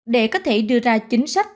để có thể đưa ra chính sách